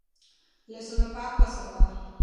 لاسونه پاک وساته.